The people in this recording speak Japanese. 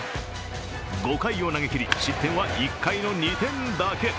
５回を投げきり、失点は１回の２点だけ。